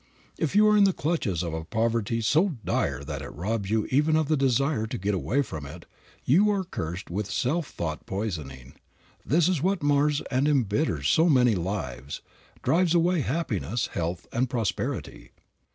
If you are in the clutches of a poverty so dire that it robs you even of the desire to get away from it, you are cursed with self thought poisoning. This is what mars and embitters so many lives, drives away happiness, health and prosperity.